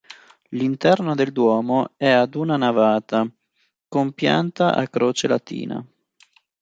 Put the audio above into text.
L'interno del duomo è ad una navata, con pianta a croce latina.